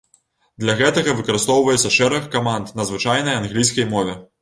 Для гэтага выкарыстоўваецца шэраг каманд на звычайнай англійскай мове.